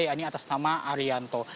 yakni atas nama arianto